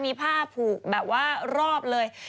มีผ้าผูกแบบว่ารอบเลย